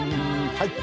はい。